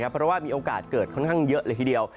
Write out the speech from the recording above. เพราะว่ามีโอกาสเกิดค่อนข้างเยอะเลยทีเดียว